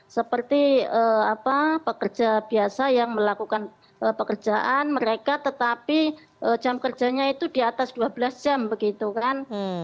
seperti pekerja biasa yang melakukan pekerjaan mereka tetapi jam kerjanya itu di atas dua belas jam begitu kan